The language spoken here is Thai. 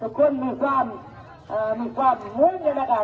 ทุกคนมีความมีความมื้ออยู่นะครับ